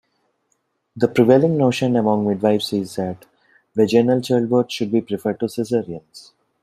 The prevailing notion among midwifes is that vaginal childbirths should be preferred to cesareans.